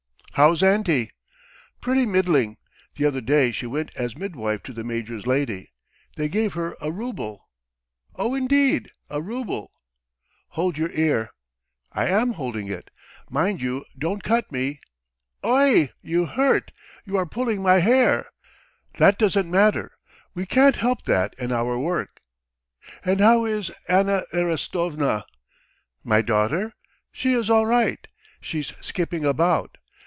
"How's auntie?" "Pretty middling. The other day she went as midwife to the major's lady. They gave her a rouble." "Oh, indeed, a rouble. Hold your ear." "I am holding it. ... Mind you don't cut me. Oy, you hurt! You are pulling my hair." "That doesn't matter. We can't help that in our work. And how is Anna Erastovna?" "My daughter? She is all right, she's skipping about.